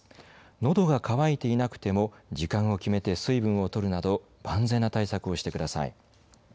のどが渇いていなくても時間を決めて水分をとるなど万全な対策をしてください。